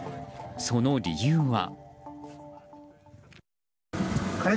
その理由は。